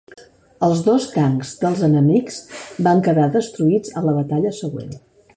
Els dos tancs dels enemics van quedar destruïts a la batalla següent.